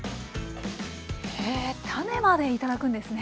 へぇ種まで頂くんですね。